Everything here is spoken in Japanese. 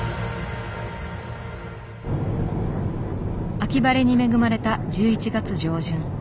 秋晴れに恵まれた１１月上旬。